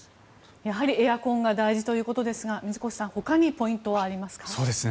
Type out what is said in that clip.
やはりエアコンが大事ということですが水越さん、ほかにポイントはありますか？